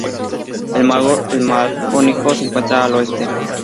El mar Jónico se encuentra al oeste.